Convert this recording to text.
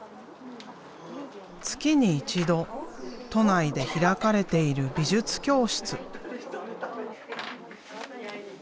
月に一度都内で開かれている美術教室。